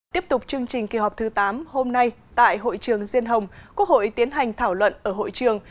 tiếp tục chương trình kỳ họp thứ tám hôm nay tại hội trường diên hồng quốc hội tiến hành thảo luận ở hội trường